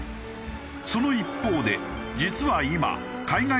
その一方で実は今政府は